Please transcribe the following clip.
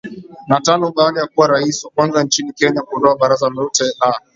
na tano baada ya kuwa Rais wa kwanza nchini Kenya kuondoa baraza lote la